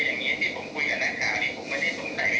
ถ้าคุณที่คุณถูกข่าวที่มึงนะ